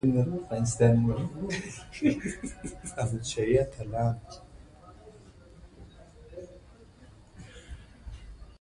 دځنګل حاصلات د افغان ښځو په ژوند کې رول لري.